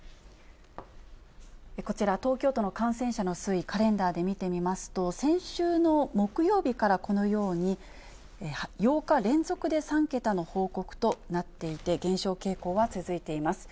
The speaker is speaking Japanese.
こちら、東京都の感染者の推移、カレンダーで見てみますと、先週の木曜日からこのように、８日連続で３桁の報告となっていて、減少傾向は続いています。